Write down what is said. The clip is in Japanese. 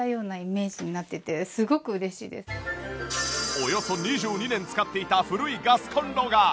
およそ２２年使っていた古いガスコンロが